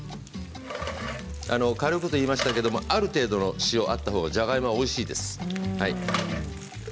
軽くといいましたけれどある程度の塩があったほうがじゃがいもはおいしいです。